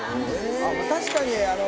確かに。